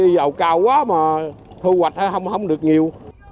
dầu cao quá mà thu hoạch không được nhiều